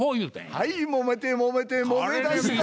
はいもめてもめてもめだした。